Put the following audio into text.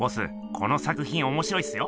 この作品おもしろいっすよ。